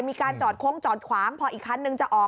มีการจอดโค้งจอดขวางพออีกคันนึงจะออก